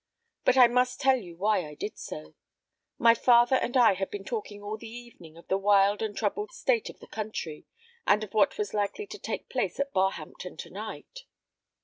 But I must tell you why I did so. My father and I had been talking all the evening of the wild and troubled state of the country, and of what was likely to take place at Barhampton tonight."